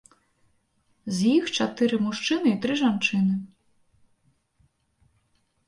З іх чатыры мужчыны і тры жанчыны.